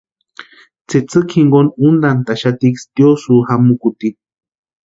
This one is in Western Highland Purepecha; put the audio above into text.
Tsïtsïki jinkoni úntantaxatiksï tiosu jamukutini.